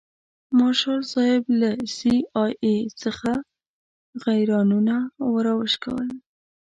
مارشال صاحب له سي آی اې څخه غیرانونه راوشکول.